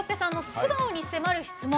素顔に迫る質問。